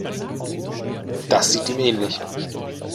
Das sieht ihm ähnlich.